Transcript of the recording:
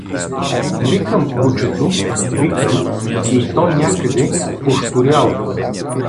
Викам кучето, викам, и то някъде пощуряло.